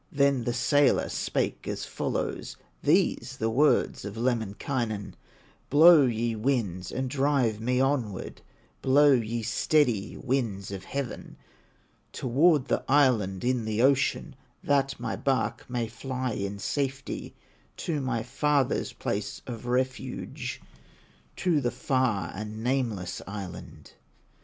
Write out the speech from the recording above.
Then the sailor spake as follows, These the words of Lemminkainen: "Blow, ye winds, and drive me onward, Blow ye steady, winds of heaven, Toward the island in the ocean, That my bark may fly in safety To my father's place of refuge, To the far and nameless island!"